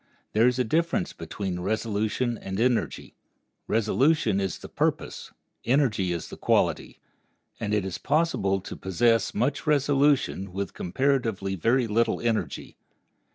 There is a difference between resolution and energy. Resolution is the purpose, energy is the quality, and it is possible to possess much resolution with comparatively very little energy.